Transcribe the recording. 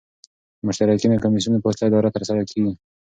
د مشترکو کمېسیونو په وسیله اداره ترسره کيږي.